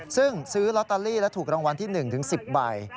ซึ่งซื้อลอตเตอรี่และถูกรางวัลที่๑ถึง๑๐ใบ